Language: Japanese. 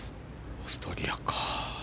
オーストリアか。